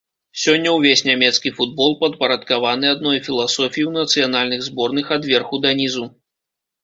Сёння ўвесь нямецкі футбол падпарадкаваны адной філасофіі ў нацыянальных зборных ад верху да нізу.